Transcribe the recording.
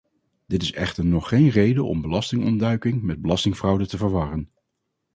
Dit is echter nog geen reden om belastingontduiking met belastingfraude te verwarren!